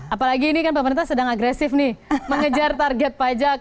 apalagi ini kan pemerintah sedang agresif nih mengejar target pajak